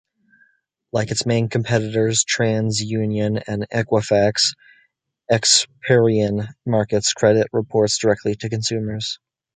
Like its main competitors, TransUnion and Equifax, Experian markets credit reports directly to consumers.